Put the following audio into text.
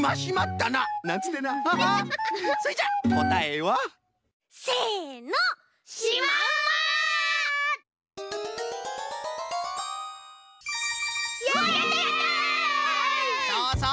そうそう！